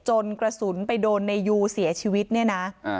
กระสุนไปโดนในยูเสียชีวิตเนี่ยนะ